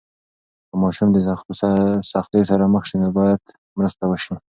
که ماشوم د سختیو سره مخ سي، نو باید مرسته وسي.